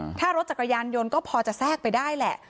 ถ้ารถจักรยานยนต์ก็พอจะแทรกไปได้แหละ